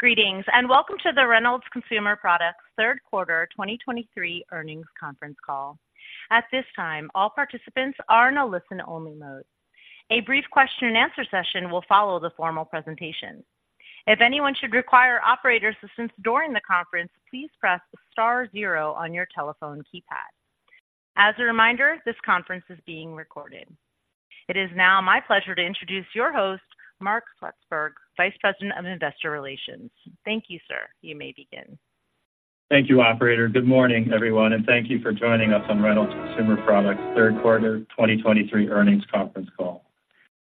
Greetings, and welcome to the Reynolds Consumer Products Third Quarter 2023 Earnings Conference Call. At this time, all participants are in a listen-only mode. A brief question-and-answer session will follow the formal presentation. If anyone should require operator assistance during the conference, please press star zero on your telephone keypad. As a reminder, this conference is being recorded. It is now my pleasure to introduce your host, Mark Swartzberg, Vice President of Investor Relations. Thank you, sir. You may begin. Thank you, operator. Good morning, everyone, and thank you for joining us on Reynolds Consumer Products Third Quarter 2023 Earnings Conference Call.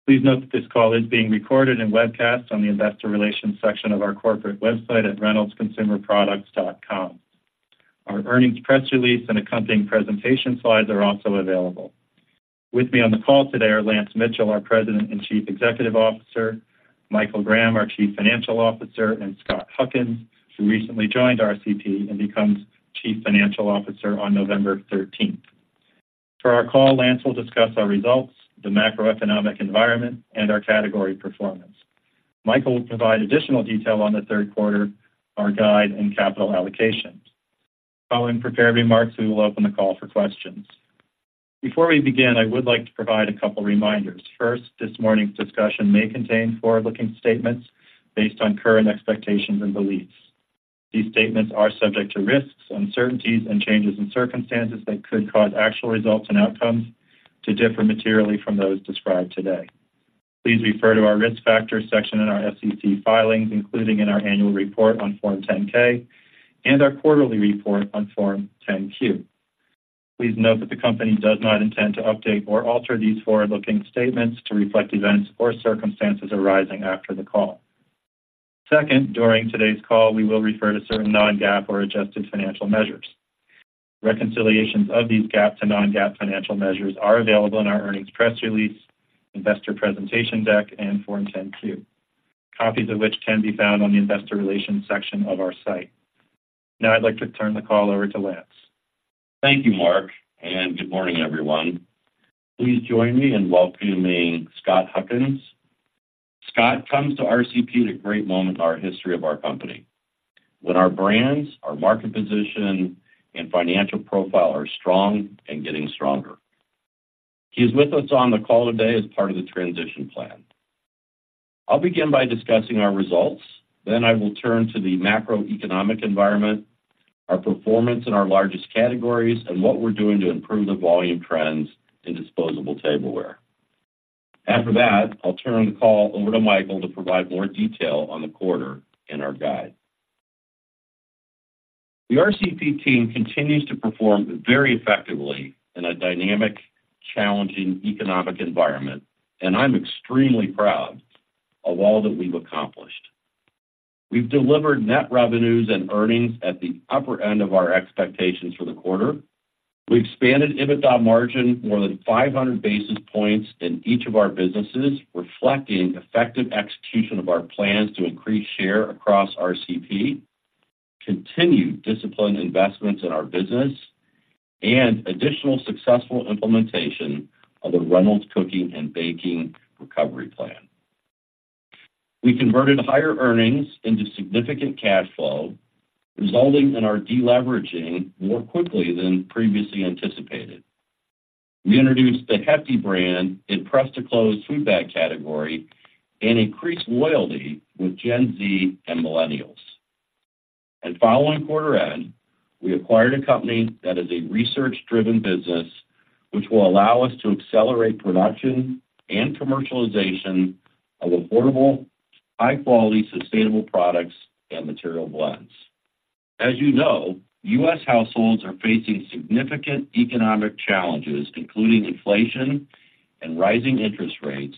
Please note that this call is being recorded and webcast on the investor relations section of our corporate website at reynoldsconsumerproducts.com. Our earnings press release and accompanying presentation slides are also available. With me on the call today are Lance Mitchell, our President and Chief Executive Officer, Michael Graham, our Chief Financial Officer, and Scott Huckins, who recently joined RCP and becomes Chief Financial Officer on November 13. For our call, Lance will discuss our results, the macroeconomic environment, and our category performance. Michael will provide additional detail on the third quarter, our guide, and capital allocations. Following prepared remarks, we will open the call for questions. Before we begin, I would like to provide a couple reminders. First, this morning's discussion may contain forward-looking statements based on current expectations and beliefs. These statements are subject to risks, uncertainties, and changes in circumstances that could cause actual results and outcomes to differ materially from those described today. Please refer to our Risk Factors section in our SEC filings, including in our annual report on Form 10-K and our quarterly report on Form 10-Q. Please note that the company does not intend to update or alter these forward-looking statements to reflect events or circumstances arising after the call. Second, during today's call, we will refer to certain non-GAAP or adjusted financial measures. Reconciliations of these GAAP to non-GAAP financial measures are available in our earnings press release, investor presentation deck, and Form 10-Q, copies of which can be found on the investor relations section of our site. Now I'd like to turn the call over to Lance. Thank you, Mark, and good morning, everyone. Please join me in welcoming Scott Huckins. Scott comes to RCP at a great moment in our history of our company when our brands, our market position, and financial profile are strong and getting stronger. He is with us on the call today as part of the transition plan. I'll begin by discussing our results, then I will turn to the macroeconomic environment, our performance in our largest categories, and what we're doing to improve the volume trends in disposable tableware. After that, I'll turn the call over to Michael to provide more detail on the quarter and our guide. The RCP team continues to perform very effectively in a dynamic, challenging economic environment, and I'm extremely proud of all that we've accomplished. We've delivered net revenues and earnings at the upper end of our expectations for the quarter. We expanded EBITDA margin more than 500 basis points in each of our businesses, reflecting effective execution of our plans to increase share across RCP, continued disciplined investments in our business, and additional successful implementation of the Reynolds Cooking and Baking Recovery Plan. We converted higher earnings into significant cash flow, resulting in our deleveraging more quickly than previously anticipated. We introduced the Hefty brand in press-to-close food bag category and increased loyalty with Gen Z and millennials. And following quarter end, we acquired a company that is a research-driven business, which will allow us to accelerate production and commercialization of affordable, high-quality, sustainable products and material blends. As you know, U.S. households are facing significant economic challenges, including inflation and rising interest rates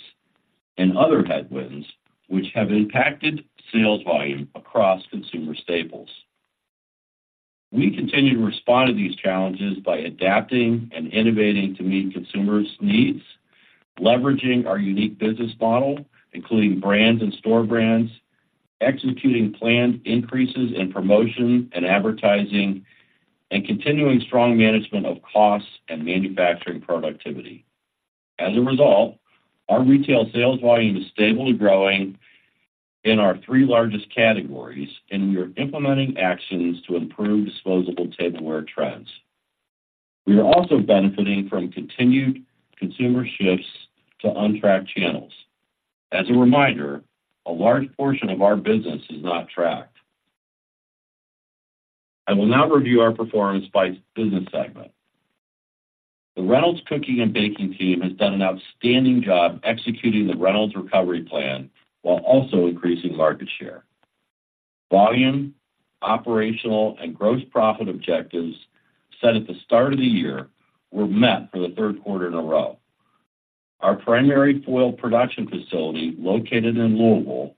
and other headwinds, which have impacted sales volume across consumer staples. We continue to respond to these challenges by adapting and innovating to meet consumers' needs, leveraging our unique business model, including brands and store brands, executing planned increases in promotion and advertising, and continuing strong management of costs and manufacturing productivity. As a result, our retail sales volume is stable and growing in our three largest categories, and we are implementing actions to improve disposable tableware trends. We are also benefiting from continued consumer shifts to untracked channels. As a reminder, a large portion of our business is not tracked. I will now review our performance by business segment. The Reynolds Cooking and Baking team has done an outstanding job executing the Reynolds Recovery Plan while also increasing market share. Volume, operational, and gross profit objectives set at the start of the year were met for the third quarter in a row. Our primary foil production facility, located in Louisville,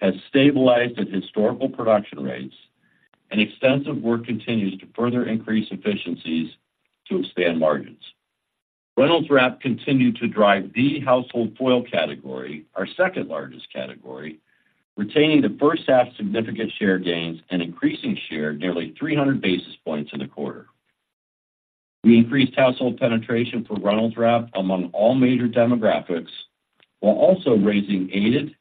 has stabilized at historical production rates, and extensive work continues to further increase efficiencies to expand margins. Reynolds Wrap continued to drive the household foil category, our second-largest category, retaining the first-half significant share gains and increasing share nearly 300 basis points in the quarter. We increased household penetration for Reynolds Wrap among all major demographics, while also raising aided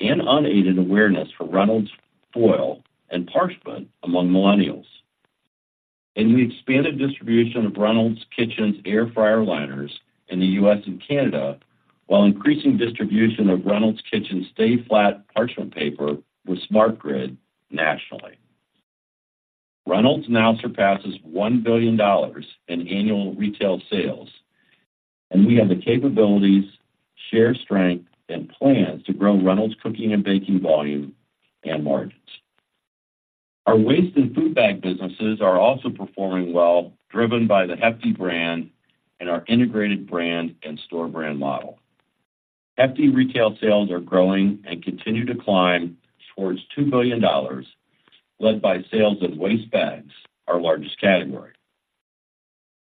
and unaided awareness for Reynolds Foil and Parchment among millennials. We expanded distribution of Reynolds Kitchens Air Fryer Liners in the U.S. and Canada, while increasing distribution of Reynolds Kitchens Stay Flat Parchment Paper with SmartGrid nationally. Reynolds now surpasses $1 billion in annual retail sales, and we have the capabilities, share strength, and plans to grow Reynolds Cooking and Baking volume and margins. Our waste and food bag businesses are also performing well, driven by the Hefty brand and our integrated brand and store brand model. Hefty retail sales are growing and continue to climb towards $2 billion, led by sales of waste bags, our largest category.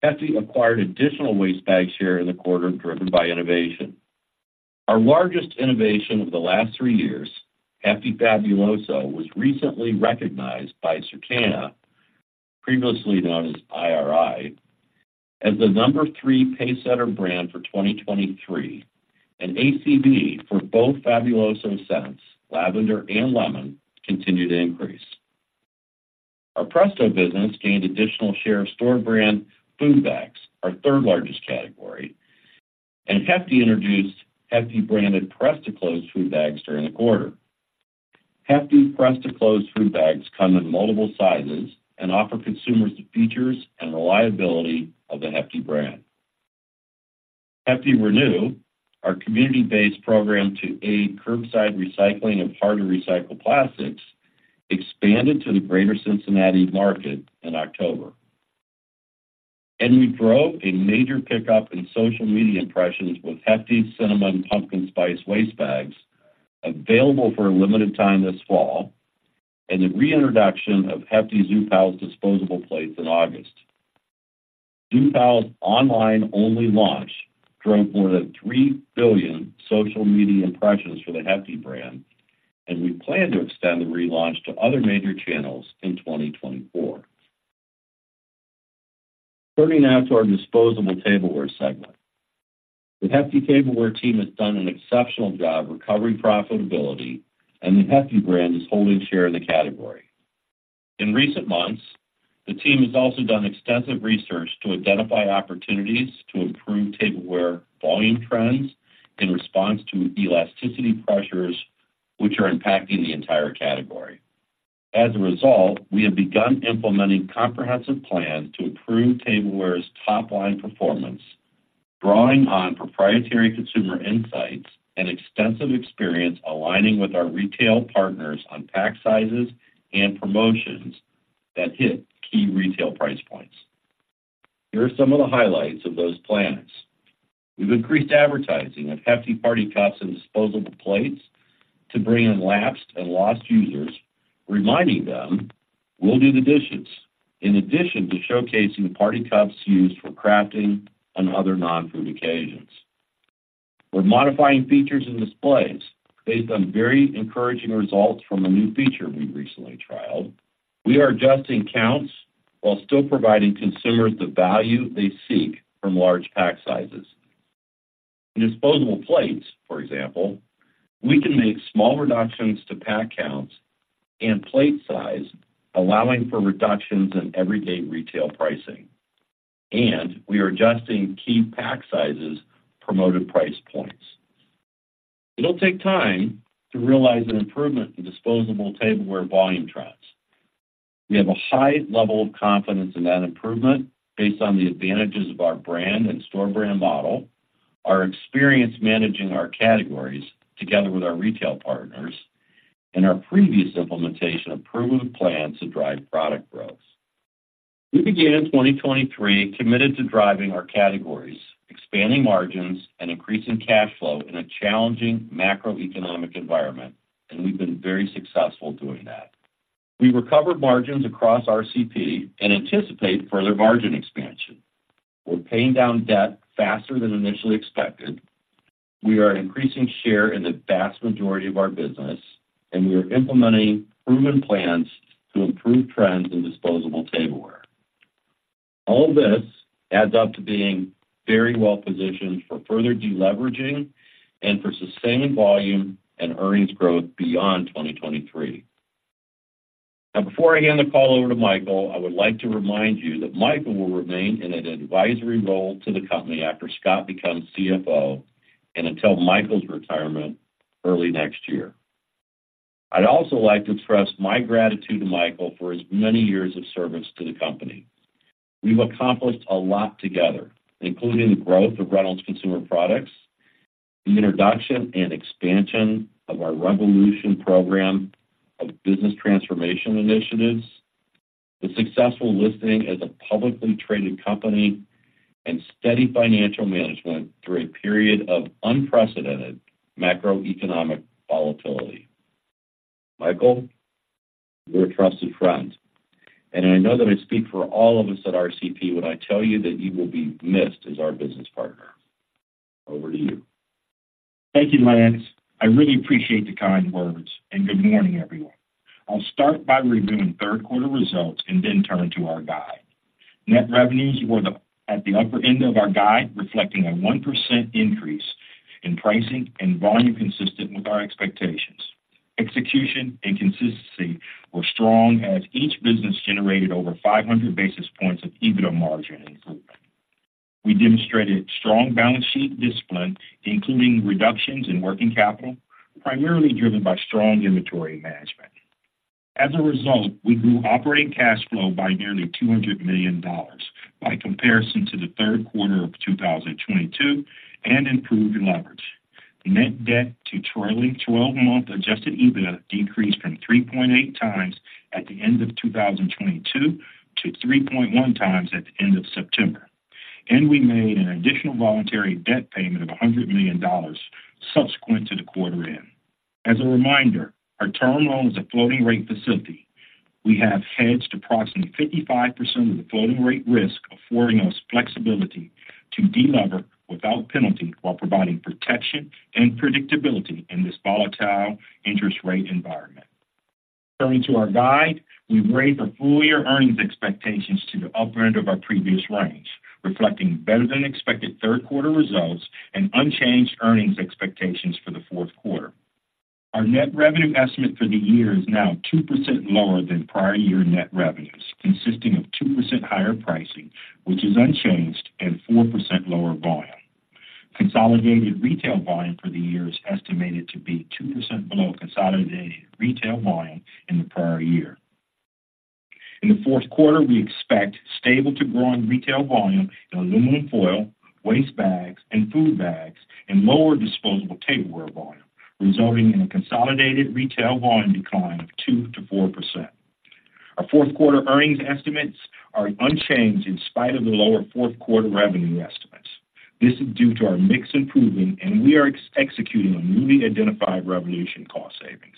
Hefty acquired additional waste bags share in the quarter, driven by innovation. Our largest innovation over the last three years, Hefty Fabuloso, was recently recognized by Circana, previously known as IRI, as the number three pacesetter brand for 2023, and ACV for both Fabuloso scents, lavender and lemon, continue to increase. Our Presto business gained additional share of store brand food bags, our third-largest category, and Hefty introduced Hefty-branded press-to-close food bags during the quarter. Hefty press-to-close food bags come in multiple sizes and offer consumers the features and reliability of the Hefty brand. Hefty ReNew, our community-based program to aid curbside recycling of hard-to-recycle plastics, expanded to the Greater Cincinnati market in October. We drove a major pickup in social media impressions with Hefty Cinnamon Pumpkin Spice waste bags, available for a limited time this fall, and the reintroduction of Hefty Zoo Pals disposable plates in August. Zoo Pals' online-only launch drove more than three billion social media impressions for the Hefty brand, and we plan to extend the relaunch to other major channels in 2024. Turning now to our disposable tableware segment. The Hefty Tableware team has done an exceptional job recovering profitability, and the Hefty brand is holding share in the category. In recent months, the team has also done extensive research to identify opportunities to improve tableware volume trends in response to elasticity pressures, which are impacting the entire category. As a result, we have begun implementing comprehensive plans to improve tableware's top-line performance, drawing on proprietary consumer insights and extensive experience aligning with our retail partners on pack sizes and promotions that hit key retail price points. Here are some of the highlights of those plans. We've increased advertising of Hefty party cups and disposable plates to bring in lapsed and lost users, reminding them, "We'll do the dishes," in addition to showcasing the party cups used for crafting and other non-food occasions. We're modifying features and displays based on very encouraging results from a new feature we recently trialed. We are adjusting counts while still providing consumers the value they seek from large pack sizes. Disposable plates, for example, we can make small reductions to pack counts and plate size, allowing for reductions in everyday retail pricing. We are adjusting key pack sizes, promoted price points. It'll take time to realize an improvement in disposable tableware volume trends. We have a high level of confidence in that improvement based on the advantages of our brand and store brand model, our experience managing our categories together with our retail partners, and our previous implementation of proven plans to drive product growth. We began 2023 committed to driving our categories, expanding margins, and increasing cash flow in a challenging macroeconomic environment, and we've been very successful doing that. We recovered margins across RCP and anticipate further margin expansion. We're paying down debt faster than initially expected. We are increasing share in the vast majority of our business, and we are implementing proven plans to improve trends in disposable tableware. All this adds up to being very well-positioned for further deleveraging and for sustained volume and earnings growth beyond 2023. Now, before I hand the call over to Michael, I would like to remind you that Michael will remain in an advisory role to the company after Scott becomes CFO and until Michael's retirement early next year. I'd also like to express my gratitude to Michael for his many years of service to the company. We've accomplished a lot together, including the growth of Reynolds Consumer Products, the introduction and expansion of our Revolution program of business transformation initiatives, the successful listing as a publicly traded company, and steady financial management through a period of unprecedented macroeconomic volatility. Michael, you're a trusted friend, and I know that I speak for all of us at RCP when I tell you that you will be missed as our business partner. Over to you.... Thank you, Lance. I really appreciate the kind words, and good morning, everyone. I'll start by reviewing third quarter results and then turn to our guide. Net revenues were at the upper end of our guide, reflecting a 1% increase in pricing and volume consistent with our expectations. Execution and consistency were strong as each business generated over 500 basis points of EBITDA margin improvement. We demonstrated strong balance sheet discipline, including reductions in working capital, primarily driven by strong inventory management. As a result, we grew operating cash flow by nearly $200 million by comparison to the third quarter of 2022 and improved leverage. Net Debt to trailing twelve-month Adjusted EBITDA decreased from 3.8 times at the end of 2022 to 3.1 times at the end of September, and we made an additional voluntary debt payment of $100 million subsequent to the quarter end. As a reminder, our term loan is a floating rate facility. We have hedged approximately 55% of the floating rate risk, affording us flexibility to delever without penalty while providing protection and predictability in this volatile interest rate environment. Turning to our guide, we've raised the full year earnings expectations to the upper end of our previous range, reflecting better than expected third quarter results and unchanged earnings expectations for the fourth quarter. Our net revenue estimate for the year is now 2% lower than prior year net revenues, consisting of 2% higher pricing, which is unchanged, and 4% lower volume. Consolidated retail volume for the year is estimated to be 2% below consolidated retail volume in the prior year. In the fourth quarter, we expect stable to growing retail volume in aluminum foil, waste bags, and food bags, and lower disposable tableware volume, resulting in a consolidated retail volume decline of 2%-4%. Our fourth quarter earnings estimates are unchanged in spite of the lower fourth quarter revenue estimates. This is due to our mix improving, and we are executing on newly identified Revolution cost savings.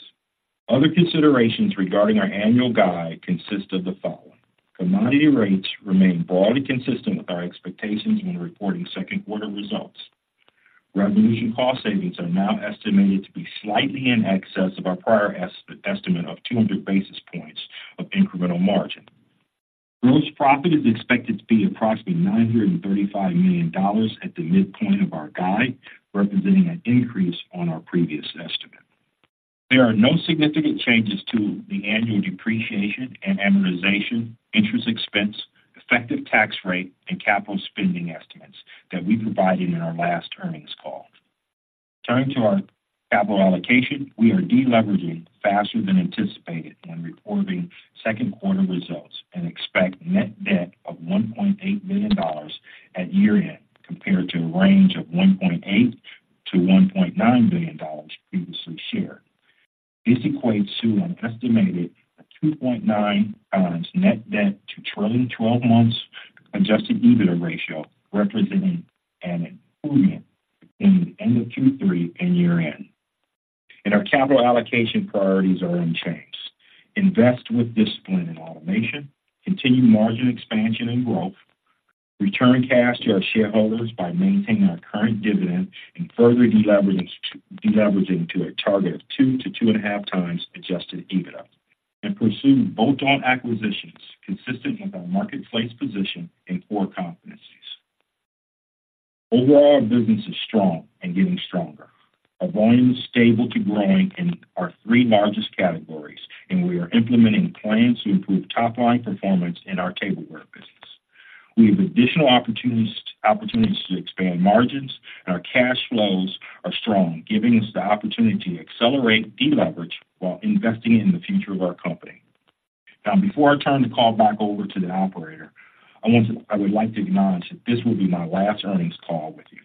Other considerations regarding our annual guide consist of the following: Commodity rates remain broadly consistent with our expectations when reporting second quarter results. Revolution cost savings are now estimated to be slightly in excess of our prior estimate of 200 basis points of incremental margin. Gross profit is expected to be approximately $935 million at the midpoint of our guide, representing an increase on our previous estimate. There are no significant changes to the annual depreciation and amortization, interest expense, effective tax rate, and capital spending estimates that we provided in our last earnings call. Turning to our capital allocation, we are deleveraging faster than anticipated when reporting second quarter results and expect net debt of $1.8 billion at year-end, compared to a range of $1.8 billion-$1.9 billion previously shared. This equates to an estimated 2.9 net debt to trailing twelve months Adjusted EBITDA ratio, representing an improvement between the end of Q3 and year-end. And our capital allocation priorities are unchanged. Invest with discipline in automation, continue margin expansion and growth, return cash to our shareholders by maintaining our current dividend and further deleveraging, deleveraging to a target of 2 to 2.5 times Adjusted EBITDA, and pursue bolt-on acquisitions consistent with our marketplace position and core competencies. Overall, our business is strong and getting stronger. Our volume is stable to growing in our three largest categories, and we are implementing plans to improve top-line performance in our tableware business. We have additional opportunities, opportunities to expand margins, and our cash flows are strong, giving us the opportunity to accelerate deleverage while investing in the future of our company. Now, before I turn the call back over to the operator, I would like to acknowledge that this will be my last earnings call with you.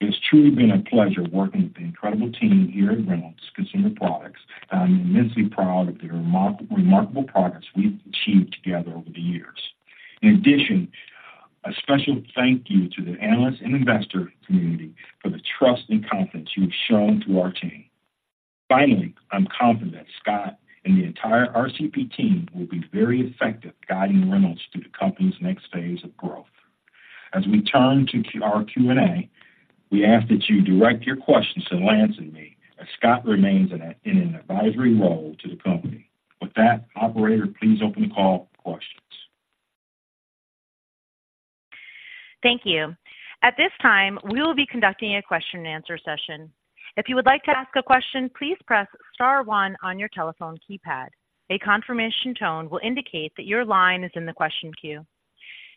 It has truly been a pleasure working with the incredible team here at Reynolds Consumer Products, and I'm immensely proud of the remarkable progress we've achieved together over the years. In addition, a special thank you to the analyst and investor community for the trust and confidence you have shown to our team. Finally, I'm confident Scott and the entire RCP team will be very effective guiding Reynolds through the company's next phase of growth. As we turn to our Q&A, we ask that you direct your questions to Lance and me, as Scott remains in an advisory role to the company. With that, operator, please open the call for questions. Thank you. At this time, we will be conducting a question-and-answer session. If you would like to ask a question, please press star one on your telephone keypad. A confirmation tone will indicate that your line is in the question queue.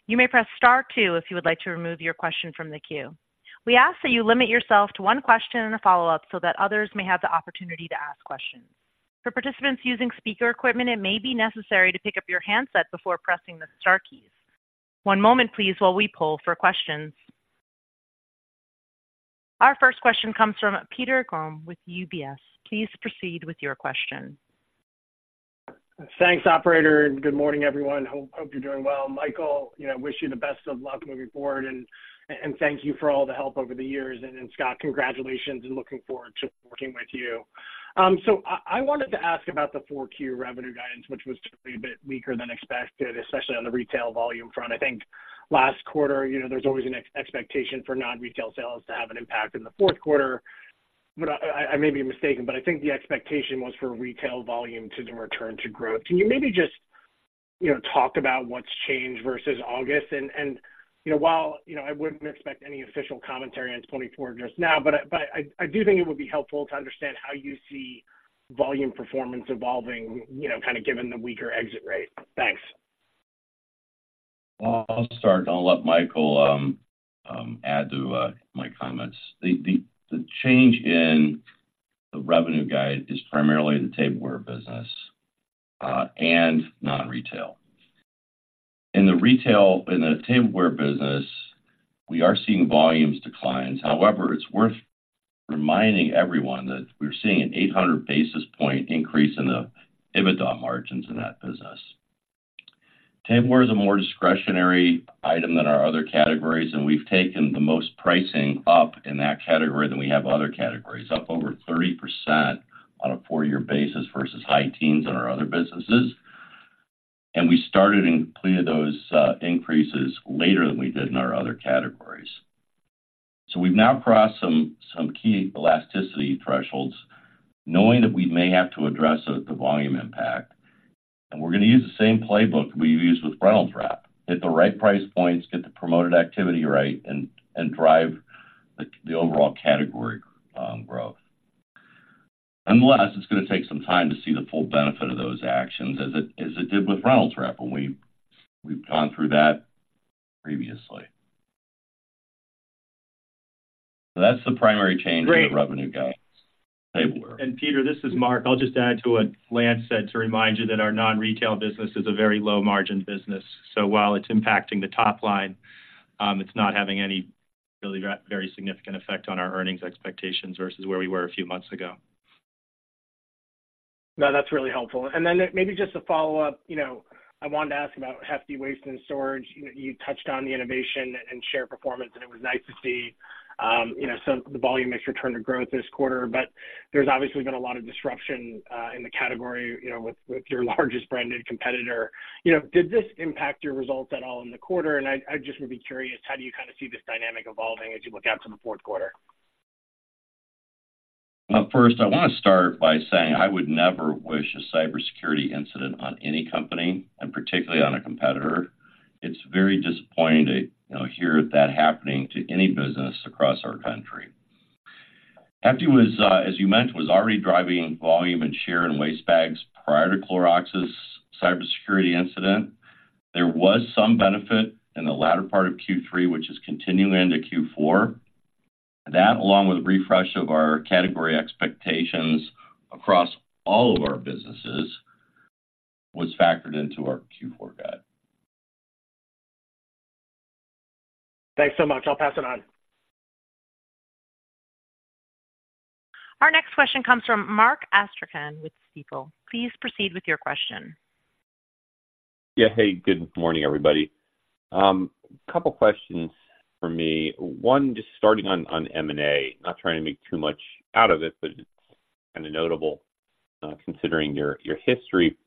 You may press star two if you would like to remove your question from the queue. We ask that you limit yourself to one question and a follow-up so that others may have the opportunity to ask questions. For participants using speaker equipment, it may be necessary to pick up your handset before pressing the star keys. One moment, please, while we poll for questions. Our first question comes from Peter Grom with UBS. Please proceed with your question. Thanks, operator, and good morning, everyone. Hope, hope you're doing well. Michael, you know, wish you the best of luck moving forward, and thank you for all the help over the years. Scott, congratulations, and looking forward to working with you... So I wanted to ask about the 4Q revenue guidance, which was typically a bit weaker than expected, especially on the retail volume front. I think last quarter, you know, there's always an expectation for non-retail sales to have an impact in the fourth quarter, but I may be mistaken, but I think the expectation was for retail volume to return to growth. Can you maybe just, you know, talk about what's changed versus August? You know, while, you know, I wouldn't expect any official commentary on 2024 just now, but I do think it would be helpful to understand how you see volume performance evolving, you know, kind of given the weaker exit rate. Thanks. I'll start, and I'll let Michael add to my comments. The change in the revenue guide is primarily the tableware business and non-retail. In the tableware business, we are seeing volumes declines. However, it's worth reminding everyone that we're seeing an 800 basis points increase in the EBITDA margins in that business. Tableware is a more discretionary item than our other categories, and we've taken the most pricing up in that category than we have other categories, up over 30% on a four-year basis versus high teens in our other businesses. And we started and completed those increases later than we did in our other categories. So we've now crossed some key elasticity thresholds, knowing that we may have to address the volume impact, and we're gonna use the same playbook we've used with Reynolds Wrap. Hit the right price points, get the promoted activity right, and drive the overall category growth. Nonetheless, it's gonna take some time to see the full benefit of those actions, as it did with Reynolds Wrap, and we've gone through that previously. So that's the primary change in the revenue guide, tableware. Peter, this is Mark. I'll just add to what Lance said, to remind you that our non-retail business is a very low-margin business. So while it's impacting the top line, it's not having any really very significant effect on our earnings expectations versus where we were a few months ago. No, that's really helpful. And then maybe just a follow-up, you know, I wanted to ask about Hefty Waste and Storage. You know, you touched on the innovation and share performance, and it was nice to see, you know, the volume mix return to growth this quarter. But there's obviously been a lot of disruption in the category, you know, with your largest branded competitor. You know, did this impact your results at all in the quarter? And I just would be curious, how do you kind of see this dynamic evolving as you look out to the fourth quarter? Well, first, I want to start by saying I would never wish a cybersecurity incident on any company, and particularly on a competitor. It's very disappointing to, you know, hear that happening to any business across our country. Hefty was, as you mentioned, was already driving volume and share in waste bags prior to Clorox's cybersecurity incident. There was some benefit in the latter part of Q3, which is continuing into Q4. That, along with refresh of our category expectations across all of our businesses, was factored into our Q4 guide. Thanks so much. I'll pass it on. Our next question comes from Mark Astrachan with Stifel. Please proceed with your question. Yeah. Hey, good morning, everybody. Couple questions for me. One, just starting on M&A. Not trying to make too much out of it, but it's kind of notable, considering your history.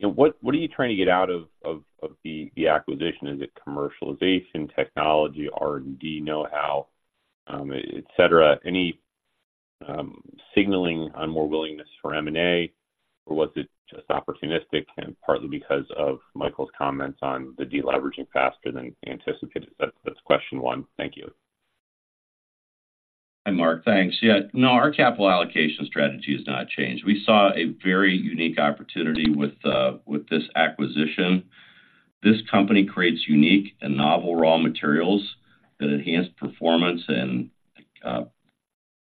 You know, what are you trying to get out of the acquisition? Is it commercialization, technology, R&D knowhow, et cetera? Any signaling on more willingness for M&A, or was it just opportunistic and partly because of Michael's comments on the deleveraging faster than anticipated? That's question one. Thank you. Hi, Mark. Thanks. Yeah, no, our capital allocation strategy has not changed. We saw a very unique opportunity with this acquisition. This company creates unique and novel raw materials that enhance performance and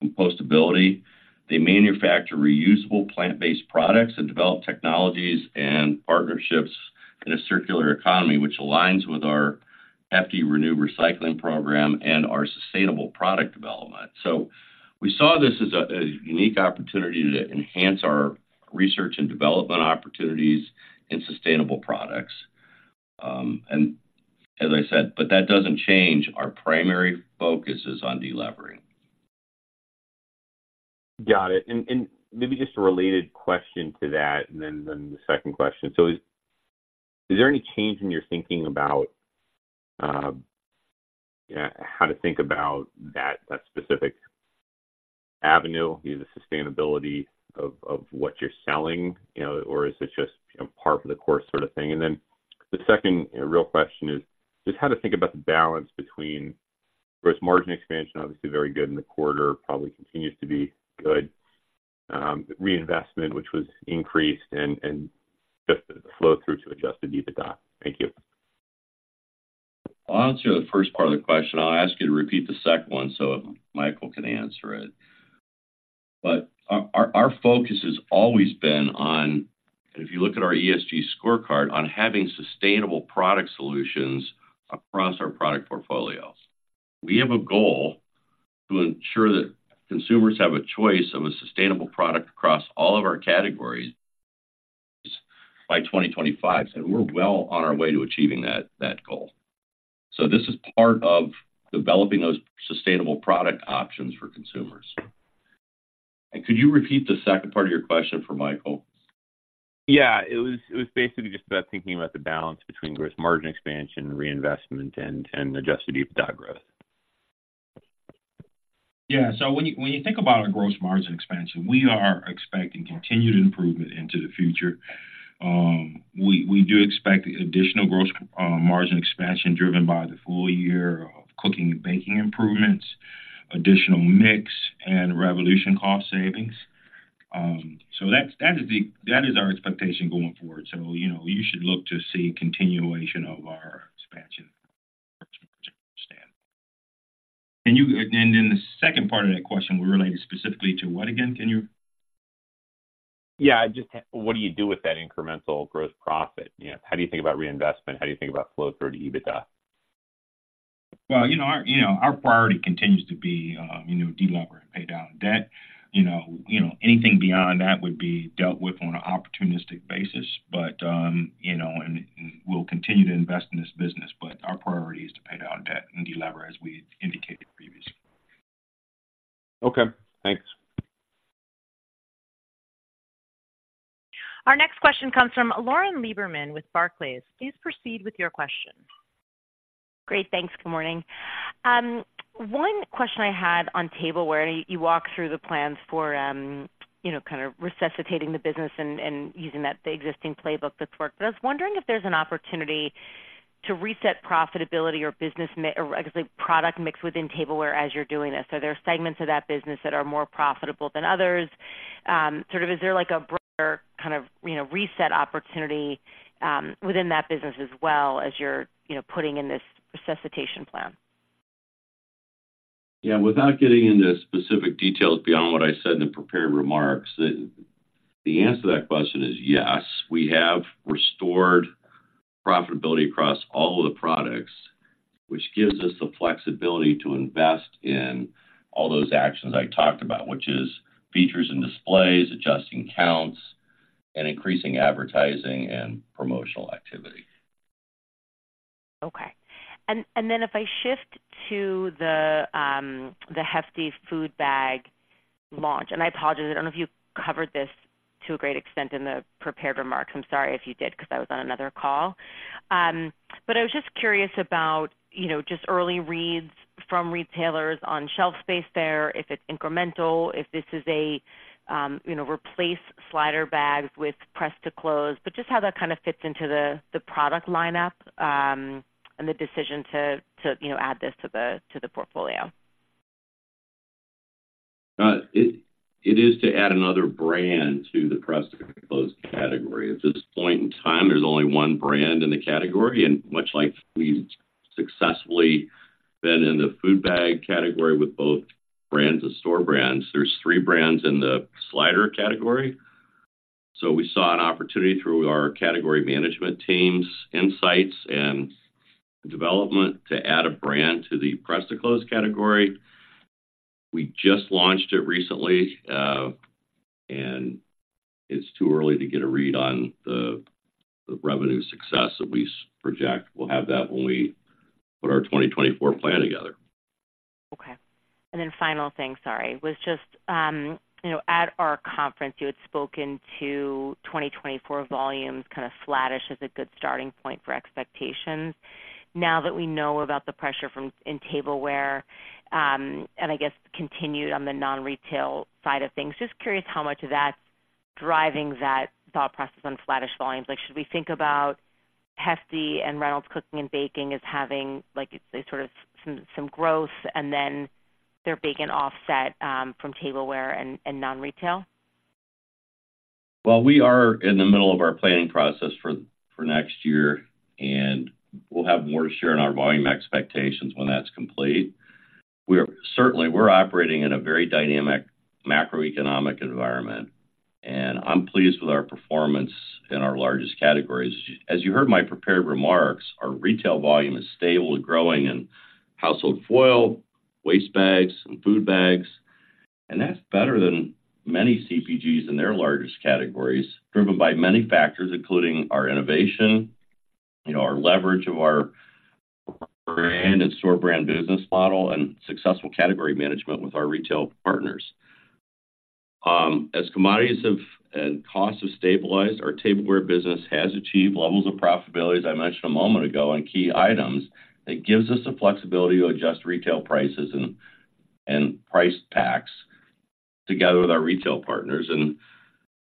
compostability. They manufacture reusable plant-based products and develop technologies and partnerships in a circular economy, which aligns with our Hefty Renew recycling program and our sustainable product development. So we saw this as a unique opportunity to enhance our research and development opportunities in sustainable products. And as I said, but that doesn't change, our primary focus is on delevering. Got it. And, and maybe just a related question to that, and then, then the second question. So is, is there any change in your thinking about how to think about that, that specific avenue, the sustainability of, of what you're selling, you know, or is it just, you know, par for the course sort of thing? And then the second real question is, just how to think about the balance between gross margin expansion, obviously very good in the quarter, probably continues to be good, reinvestment, which was increased, and, and just the flow-through to Adjusted EBITDA. Thank you. I'll answer the first part of the question. I'll ask you to repeat the second one so Michael can answer it. But our focus has always been on, and if you look at our ESG scorecard, on having sustainable product solutions across our product portfolios. We have a goal to ensure that consumers have a choice of a sustainable product across all of our categories by 2025, and we're well on our way to achieving that goal. So this is part of developing those sustainable product options for consumers. And could you repeat the second part of your question for Michael? Yeah, it was basically just about thinking about the balance between gross margin expansion, reinvestment, and adjusted EBITDA growth. Yeah. So when you think about a gross margin expansion, we are expecting continued improvement into the future. We do expect additional gross margin expansion driven by the full year of cooking and baking improvements, additional mix and Revolution cost savings. So that's, that is our expectation going forward. So, you know, you should look to see continuation of our expansion standpoint. And then the second part of that question related specifically to what again? Can you- Yeah, just what do you do with that incremental gross profit? You know, how do you think about reinvestment? How do you think about flow through to EBITDA? Well, you know, our, you know, our priority continues to be, you know, delever and pay down debt. You know, you know, anything beyond that would be dealt with on an opportunistic basis, but, you know, and we'll continue to invest in this business, but our priority is to pay down debt and delever, as we indicated previously. Okay, thanks. Our next question comes from Lauren Lieberman with Barclays. Please proceed with your question. Great, thanks. Good morning. One question I had on tableware, you walked through the plans for, you know, kind of resuscitating the business and using that, the existing playbook that's worked. But I was wondering if there's an opportunity to reset profitability or business mix or, I guess, like, product mix within tableware as you're doing this. Are there segments of that business that are more profitable than others? Sort of, is there like a broader kind of, you know, reset opportunity within that business as well as you're, you know, putting in this resuscitation plan? Yeah, without getting into specific details beyond what I said in the prepared remarks, the answer to that question is yes. We have restored profitability across all of the products, which gives us the flexibility to invest in all those actions I talked about, which is features and displays, adjusting counts, and increasing advertising and promotional activity. Okay. Then if I shift to the Hefty food bag launch, and I apologize, I don't know if you covered this to a great extent in the prepared remarks. I'm sorry if you did, because I was on another call. But I was just curious about, you know, just early reads from retailers on shelf space there, if it's incremental, if this is a you know, replace slider bags with press to close, but just how that kind of fits into the product lineup, and the decision to you know, add this to the portfolio. It is to add another brand to the press-to-close category. At this point in time, there's only one brand in the category, and much like we've successfully been in the food bag category with both brands and store brands, there's three brands in the slider category. So we saw an opportunity through our category management teams, insights, and development to add a brand to the press-to-close category. We just launched it recently, and it's too early to get a read on the revenue success that we project. We'll have that when we put our 2024 plan together. Okay. And then final thing, sorry, was just, you know, at our conference, you had spoken to 2024 volumes, kind of flattish as a good starting point for expectations. Now that we know about the pressure from in tableware and I guess continued on the non-retail side of things, just curious how much of that's driving that thought process on flattish volumes. Like, should we think about Hefty and Reynolds Cooking and Baking as having, like, a sort of some growth and then they're being offset from tableware and non-retail? Well, we are in the middle of our planning process for next year, and we'll have more to share on our volume expectations when that's complete. We are certainly, we're operating in a very dynamic macroeconomic environment, and I'm pleased with our performance in our largest categories. As you heard in my prepared remarks, our retail volume is stable and growing in household foil, waste bags, and food bags, and that's better than many CPGs in their largest categories, driven by many factors, including our innovation, you know, our leverage of our brand and store brand business model, and successful category management with our retail partners. As commodities have and costs have stabilized, our tableware business has achieved levels of profitability, as I mentioned a moment ago, on key items. That gives us the flexibility to adjust retail prices and price packs together with our retail partners, and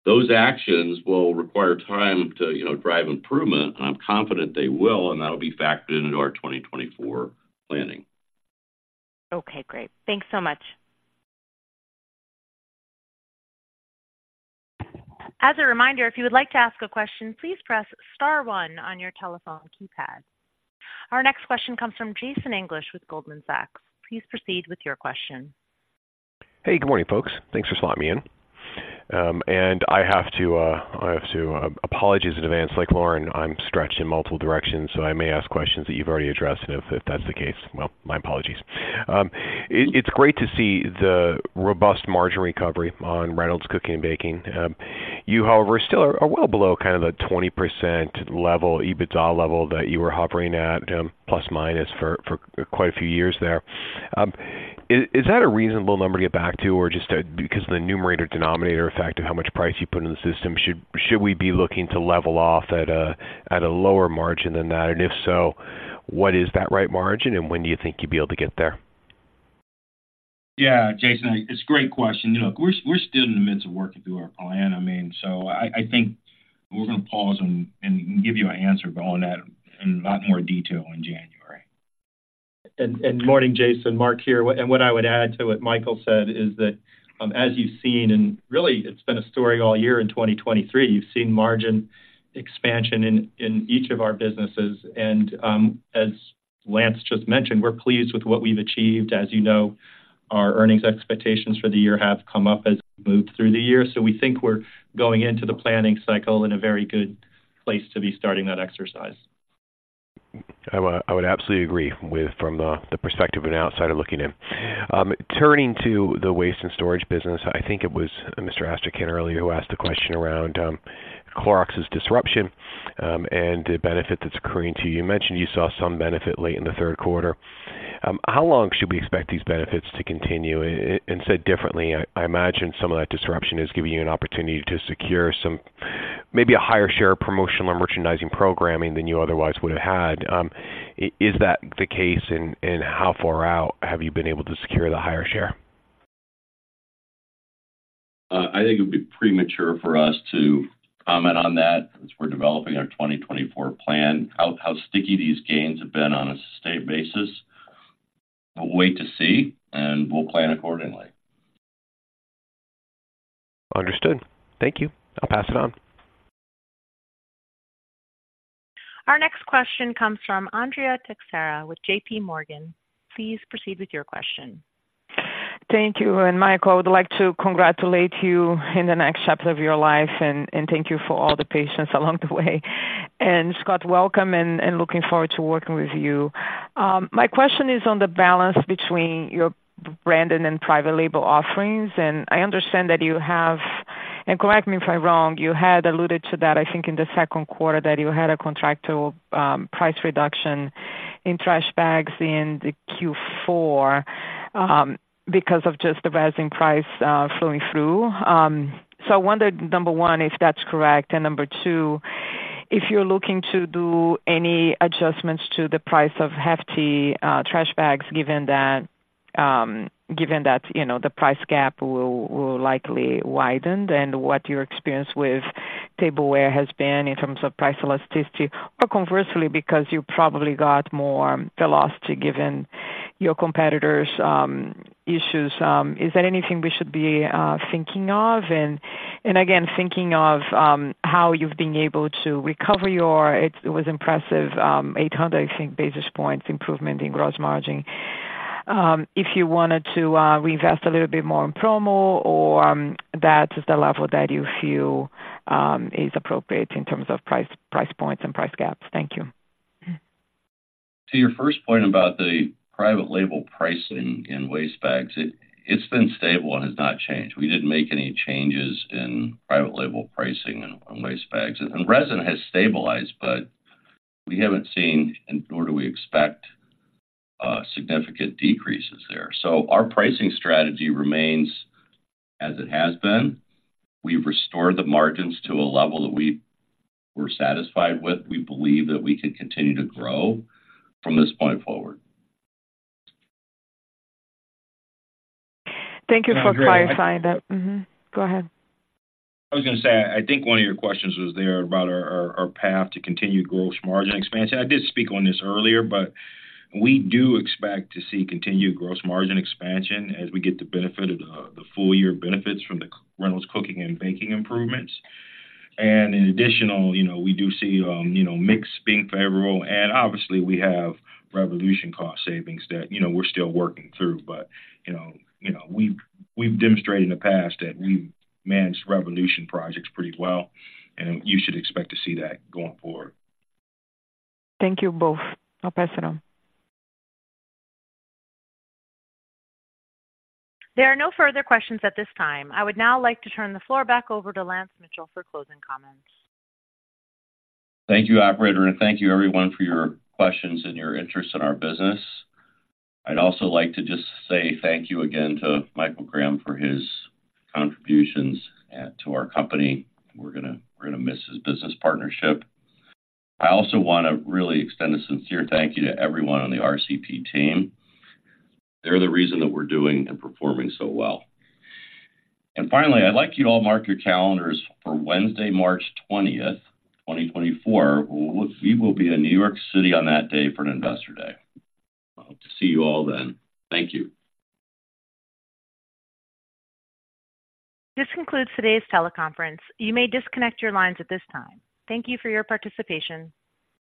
those actions will require time to, you know, drive improvement, and I'm confident they will, and that'll be factored into our 2024 planning. Okay, great. Thanks so much. As a reminder, if you would like to ask a question, please press star one on your telephone keypad. Our next question comes from Jason English with Goldman Sachs. Please proceed with your question. Hey, good morning, folks. Thanks for slotting me in. I have to apologize in advance. Like Lauren, I'm stretched in multiple directions, so I may ask questions that you've already addressed, and if that's the case, well, my apologies. It's great to see the robust margin recovery on Reynolds Cooking and Baking. You, however, are still well below kind of the 20% level, EBITDA level that you were hovering at, plus minus for quite a few years there. Is that a reasonable number to get back to, or just because of the numerator denominator effect of how much price you put in the system, should we be looking to level off at a lower margin than that? If so, what is that right margin, and when do you think you'll be able to get there? Yeah, Jason, it's a great question. Look, we're still in the midst of working through our plan. I mean, so I think we're going to pause and give you an answer going at in a lot more detail in January. Good morning, Jason. Mark here, and what I would add to what Michael said is that, as you've seen, and really it's been a story all year in 2023, you've seen margin expansion in each of our businesses, and as Lance just mentioned, we're pleased with what we've achieved. As you know, our earnings expectations for the year have come up as we moved through the year. So we think we're going into the planning cycle in a very good place to be starting that exercise. I would absolutely agree with from the perspective of an outsider looking in. Turning to the waste and storage business, I think it was Mr. Astrachan earlier who asked a question around Clorox's disruption, and the benefit that's occurring to you. You mentioned you saw some benefit late in the third quarter. How long should we expect these benefits to continue? And said differently, I imagine some of that disruption is giving you an opportunity to secure some... maybe a higher share of promotional or merchandising programming than you otherwise would have had. Is that the case, and how far out have you been able to secure the higher share? I think it would be premature for us to comment on that as we're developing our 2024 plan, how sticky these gains have been on a sustained basis. We'll wait to see, and we'll plan accordingly. Understood. Thank you. I'll pass it on. Our next question comes from Andrea Teixeira with JP Morgan. Please proceed with your question. Thank you, and Michael, I would like to congratulate you in the next chapter of your life, and thank you for all the patience along the way. And Scott, welcome, and looking forward to working with you. My question is on the balance between your branded and private label offerings, and I understand that you have, and correct me if I'm wrong, you had alluded to that, I think, in the second quarter, that you had a contractual price reduction in trash bags in the Q4, because of just the rising price flowing through. So I wondered, number one, if that's correct, and number two, if you're looking to do any adjustments to the price of Hefty trash bags, given that, given that, you know, the price gap will likely widened and what your experience with tableware has been in terms of price elasticity, or conversely, because you probably got more velocity given your competitors' issues. Is there anything we should be thinking of? And again, thinking of how you've been able to recover your, it was impressive, 800, I think, basis points improvement in gross margin. If you wanted to reinvest a little bit more in promo or that is the level that you feel is appropriate in terms of price, price points and price gaps. Thank you. To your first point about the private label pricing in waste bags, it's been stable and has not changed. We didn't make any changes in private label pricing on waste bags. Resin has stabilized, but we haven't seen and nor do we expect significant decreases there. Our pricing strategy remains as it has been. We've restored the margins to a level that we were satisfied with. We believe that we can continue to grow from this point forward. Thank you for clarifying that. Mm-hmm. Go ahead. I was gonna say, I think one of your questions was there about our path to continued gross margin expansion. I did speak on this earlier, but we do expect to see continued gross margin expansion as we get the benefit of the full year benefits from the Reynolds Cooking and Baking improvements. And in additional, you know, we do see, you know, mix being favorable, and obviously, we have Revolution cost savings that, you know, we're still working through. But, you know, you know, we've, we've demonstrated in the past that we've managed Revolution projects pretty well, and you should expect to see that going forward. Thank you both. I'll pass it on. There are no further questions at this time. I would now like to turn the floor back over to Lance Mitchell for closing comments. Thank you, operator, and thank you, everyone, for your questions and your interest in our business. I'd also like to just say thank you again to Michael Graham for his contributions to our company. We're gonna, we're gonna miss his business partnership. I also want to really extend a sincere thank you to everyone on the RCP team. They're the reason that we're doing and performing so well. And finally, I'd like you to all mark your calendars for Wednesday, March 20, 2024. We will be in New York City on that day for an Investor Day. I hope to see you all then. Thank you. This concludes today's teleconference. You may disconnect your lines at this time. Thank you for your participation.